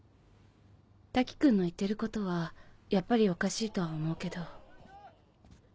瀧くんの言ってることはやっぱりおかしいとは思うけど。